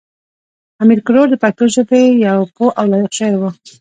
امیر کروړ د پښتو ژبې یو پوه او لایق شاعر و.